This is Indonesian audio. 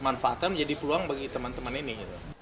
manfaatnya menjadi peluang bagi teman teman ini